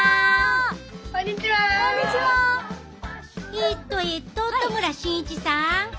えっとえっと戸村慎一さん。